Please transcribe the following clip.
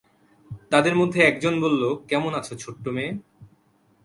তাদের মধ্যে একজন বলল, কেমন আছ ছোট্ট মেয়ে?